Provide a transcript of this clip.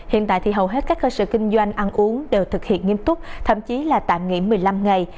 hiện tại thì hầu hết các cơ sở kinh doanh ăn uống đều thực hiện nghiêm túc thậm chí là tạm nghỉ một mươi năm ngày